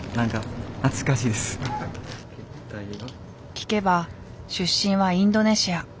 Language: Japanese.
聞けば出身はインドネシア。